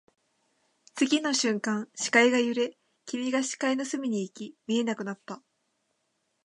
次の瞬間、視界が揺れ、君が視界の隅に行き、見えなくなった